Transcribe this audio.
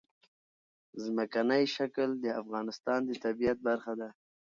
ځمکنی شکل د افغانستان د طبیعت برخه ده.